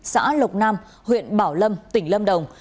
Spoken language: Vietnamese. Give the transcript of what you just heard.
xã lộc nam huyện bảo lâm tỉnh lâm đồng